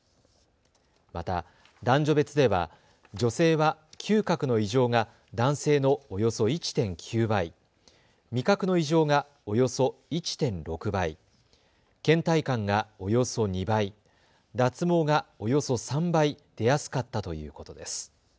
また男女別では女性は嗅覚の異常が男性のおよそ１．９倍、味覚の異常がおよそ１．６倍、けん怠感がおよそ２倍、脱毛がおよそ３倍出やすかったということです。